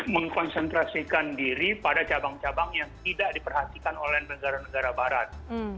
mengkonsentrasikan diri pada cabang cabang yang tidak diperhatikan oleh negara negara barat